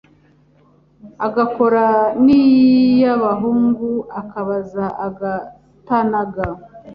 agakora n’iy’abahungu akabaza, agatanaga